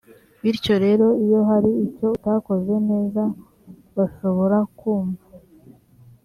bityo rero iyo hari icyo utakoze neza bashobora kumva